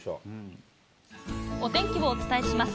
お天気をお伝えします。